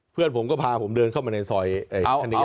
เพื่อนผมก็พาผมเดินเข้ามาในซอยอันนี้